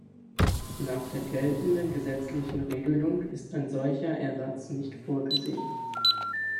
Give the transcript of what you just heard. Nach der geltenden gesetzlichen Regelung ist ein solcher Ersatz nicht vorgesehen.